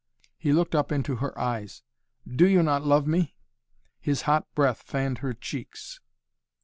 He looked up into her eyes. "Do you not love me?" His hot breath fanned her cheeks.